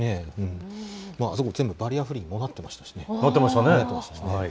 あそこ、全部バリアフリーにもなってましたしね。